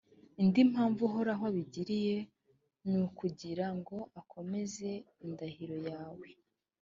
indi mpamvu uhoraho abigiriye, ni ukugira ngo akomeze indahiro yawe.